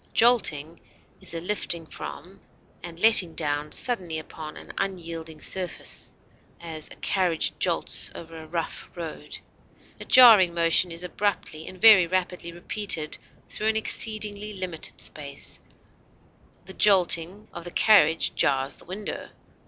Jolting is a lifting from and letting down suddenly upon an unyielding surface; as, a carriage jolts over a rough road. A jarring motion is abruptly and very rapidly repeated through an exceedingly limited space; the jolting of the carriage jars the windows.